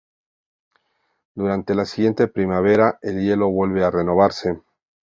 Durante la siguiente primavera el hielo vuelve a renovarse.